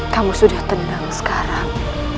kamu sudah tenang sekarang